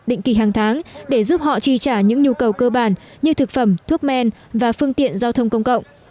họ sẽ được đặt định kỳ hàng tháng để giúp họ tri trả những nhu cầu cơ bản như thực phẩm thuốc men và phương tiện giao thông công cộng